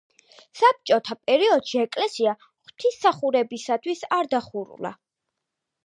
საბჭოთა პერიოდში ეკლესია ღვთისმსახურებისათვის არ დახურულა.